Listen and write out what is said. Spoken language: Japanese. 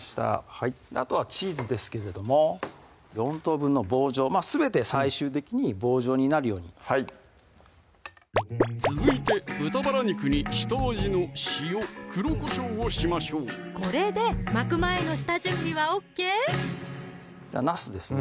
はいあとはチーズですけれども４等分の棒状すべて最終的に棒状になるようにはい続いて豚バラ肉に下味の塩・黒こしょうをしましょうこれで巻く前の下準備はＯＫなすですね